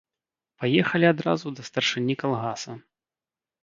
Паехалі адразу да старшыні калгаса.